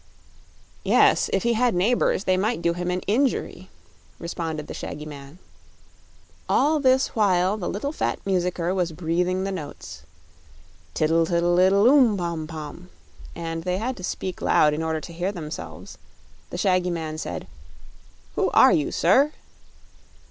"Yes; if he had neighbors, they might do him an injury," responded the shaggy man. All this while the little fat musicker was breathing the notes: Tiddle tiddle iddle, oom, pom pom, and they had to speak loud in order to hear themselves. The shaggy man said: "Who are you, sir?"